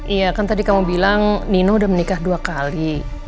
iya kan tadi kamu bilang nino udah menikah dua kali